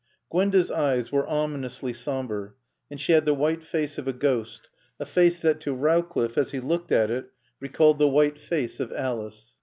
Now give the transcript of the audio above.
Gwenda's eyes were ominously somber and she had the white face of a ghost, a face that to Rowcliffe, as he looked at it, recalled the white face of Alice.